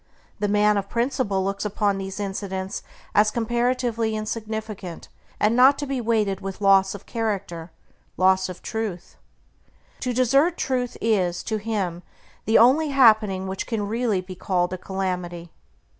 The man of principle looks upon these incidents as comparatively insignificant, and not to be weighed with loss of character, loss of Truth. To desert Truth is, to him, the only happening which can really be called a calamity.